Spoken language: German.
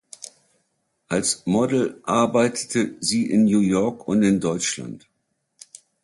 Als Model arbeitete sie in New York und in Deutschland.